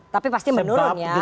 tapi pasti menurun ya